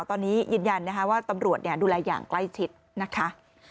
ตอนนี้ยืนยันนะคะว่าตำรวจดูแลอย่างใกล้ชิดนะคะ